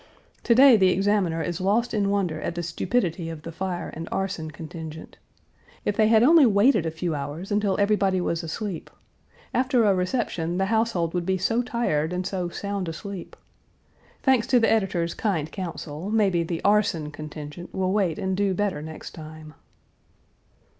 To day the Examiner is lost in wonder at the stupidity of the fire and arson contingent. If they had only waited a few hours until everybody was asleep; after a reception the household would be so tired and so sound asleep. Thanks to the editor's kind counsel maybe the arson contingent will wait and do better next time.